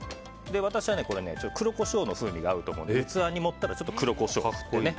私は、黒コショウの風味が合うと思うので器に盛ったらちょっと黒コショウを振って。